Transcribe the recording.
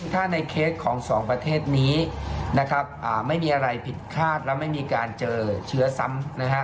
ถ้าในเคสของสองประเทศนี้นะครับไม่มีอะไรผิดคาดแล้วไม่มีการเจอเชื้อซ้ำนะฮะ